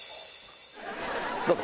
どうぞ。